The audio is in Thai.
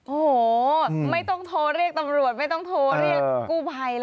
โอ้โหไม่ต้องโทรเรียกตำรวจไม่ต้องโทรเรียกกู้ภัยเลย